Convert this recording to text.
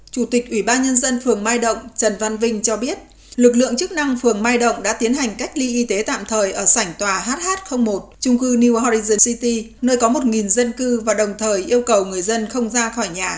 chủ tịch ủy ban nhân dân phường mai động trần văn vinh cho biết lực lượng chức năng phường mai động đã tiến hành cách ly y tế tạm thời ở sảnh tòa hh một trung cư new horacion city nơi có một dân cư và đồng thời yêu cầu người dân không ra khỏi nhà